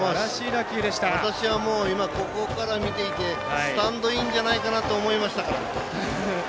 私は、ここから見ていてスタンドインじゃないかなと思いましたから。